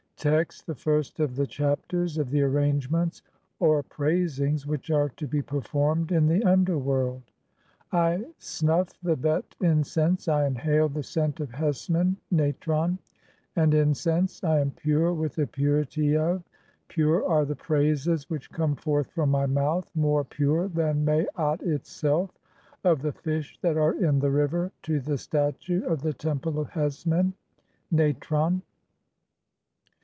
Text : (1) The first of the Chapters of the arrange ments (or praisings) which are to be performed in the underworld. "[I snuff] the bet incense, I inhale the scent of hesmen (natron) "and (2) incense , I am pure with the purity of , "[pure are] the praises which come forth from my mouth, more "pure than maatQ) itself (3) of the fish that are in the "river ; to the statue of the Temple of Hesmen (natron).